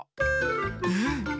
うん。